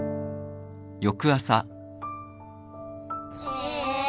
え。